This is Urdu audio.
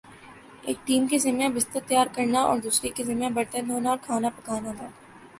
ایک ٹیم کے ذمہ بستر تیار کرنا اور دوسری کے ذمہ برتن دھونا اور کھانا پکانا تھا ۔